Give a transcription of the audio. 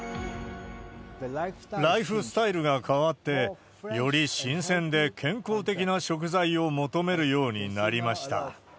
ライフスタイルが変わって、より新鮮で健康的な食材を求めるようになりました。